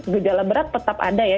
gejala berat tetap ada ya